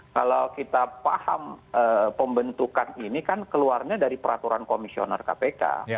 kalau kita paham pembentukan ini kan keluarnya dari peraturan komisioner kpk